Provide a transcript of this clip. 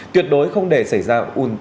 tuyệt đối không để xảy ra